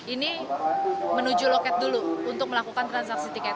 ini menuju loket dulu untuk melakukan transaksi tiket